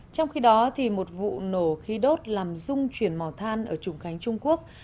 trong khi đó một vụ nổ khí đốt làm rung chuyển mỏ than ở trùng khánh trung quốc